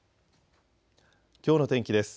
きょうの天気です。